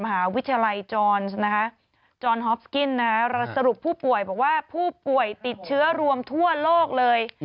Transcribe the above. มหาวิทยาลัยจอนฮอฟกิ้นสรุปผู้ป่วยบอกว่าผู้ป่วยติดเชื้อรวมทั่วโลกเลย